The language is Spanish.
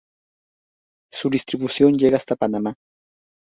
Su distribución llega hasta Panamá.